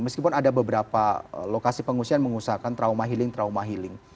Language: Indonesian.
meskipun ada beberapa lokasi pengungsian mengusahakan trauma healing trauma healing